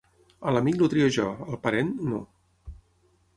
A l'amic el trio jo; al parent, no.